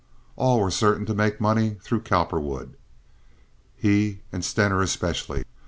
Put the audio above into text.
All were certain to make money through Cowperwood—he and Stener, especially.